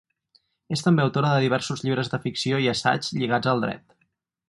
És també autora de diversos llibres de ficció i assaig lligats al dret.